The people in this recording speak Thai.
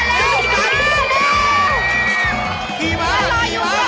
ถาดไปไหนถาด